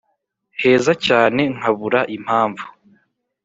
heza cyane nkabura impamvu